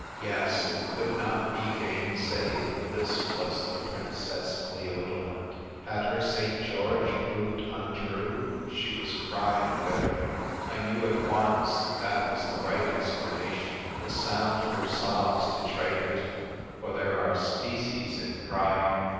Yes, it could not be gainsaid — this was the Princess Cleodolind. Had her St. George proved untrue ? She was crying bitterly. I knew at once that was the right explana tion. The sound of her sobs betrayed it. For there are species in crying.